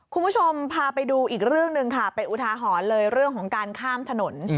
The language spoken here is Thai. คุณผู้ชมพาไปดูอีกเรื่องหนึ่งค่ะเป็นอุทาหรณ์เลยเรื่องของการข้ามถนน